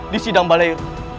di sidang balai